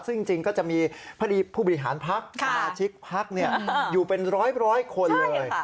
ซึ่งจริงก็จะมีผู้บริหารพักสมาชิกพักอยู่เป็นร้อยคนเลย